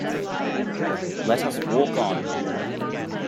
Let us walk on.